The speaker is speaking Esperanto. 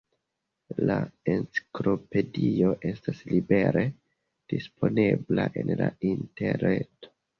La enciklopedio estas libere disponebla en la interreto.